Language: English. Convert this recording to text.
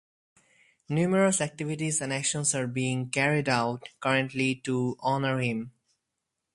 Numerous activities and actions are being carried out currently to honor him.